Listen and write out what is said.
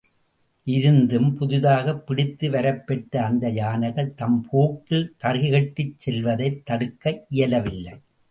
இருந்தும் புதிதாகப் பிடித்து வரப்பெற்ற அந்த யானைகள், தம் போக்கில் தறிகெட்டுச் செல்வதைத் தடுக்க இயலவில்லை.